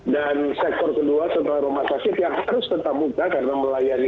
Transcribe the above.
dan sektor kedua setelah rumah sakit yang harus tetap muka karena melayani